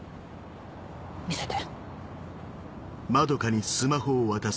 見せて。